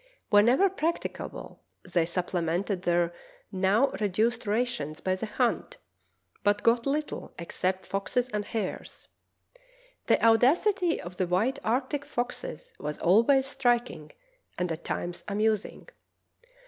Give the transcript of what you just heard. Whenever practicable they supplemented their now reduced rations by the hunt, but got little except foxes and hares. The audacity of the white arctic foxes was always striking and at times amusing.